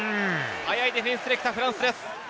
速いディフェンスで来たフランスです。